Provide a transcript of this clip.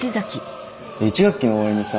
１学期の終わりにさ